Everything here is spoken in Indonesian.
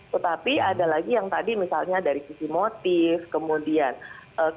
tetapi ada lagi yang tadi misalnya dari sisi motif kemudian kepura puraan berada di begala pengaruh zat